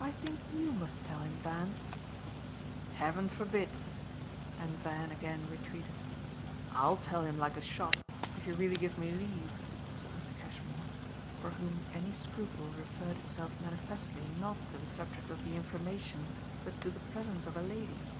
"I think YOU must tell him, Van." "Heaven forbid!" and Van again retreated. "I'LL tell him like a shot if you really give me leave," said Mr. Cashmore, for whom any scruple referred itself manifestly not to the subject of the information but to the presence of a lady.